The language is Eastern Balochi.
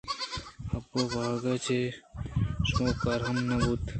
حُبءُ واہگ ءَ چہ شموشکارہم نہ بوت